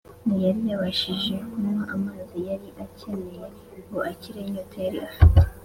Ntiyari yabashije kunywa amazi yari akeneye ngo akire inyota yari afite